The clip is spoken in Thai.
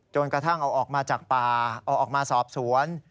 กระทั่งเอาออกมาจากป่าเอาออกมาสอบสวน